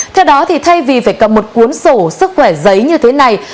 theo đó thì thay vì phải cầm một cuốn sổ sức khỏe giấy như thế này